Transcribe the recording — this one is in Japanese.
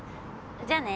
じゃあね。